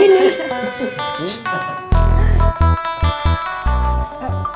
ini kurma ajwa pak ustad